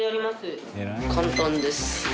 簡単です。